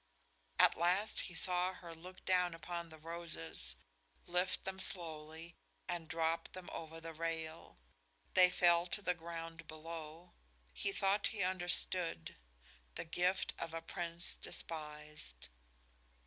At last he saw her look down upon the roses, lift them slowly and drop them over the rail. They fell to the ground below. He thought he understood; the gift of a prince despised.